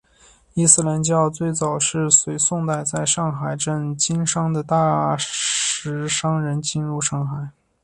伊斯兰教最早是随宋代在上海镇经商的大食商人进入上海。